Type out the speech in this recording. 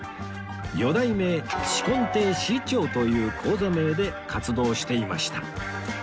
「四代目紫紺亭志い朝」という高座名で活動していました